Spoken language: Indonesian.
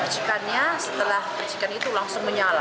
percikannya setelah percikan itu langsung menyala